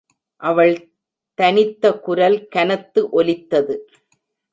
அவள் தனித்த குரல் கனத்து ஒலித்தது.